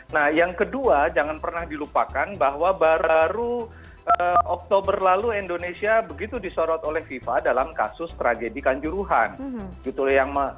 nah yang kedua jangan pernah dilupakan bahwa baru oktober lalu indonesia begitu disorot oleh fifa dalam kasus tragedi kanjuruhan